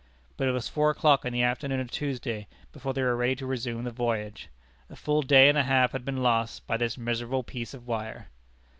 But it was four o'clock in the afternoon of Tuesday before they were ready to resume the voyage. A full day and a half had been lost by this miserable piece of wire.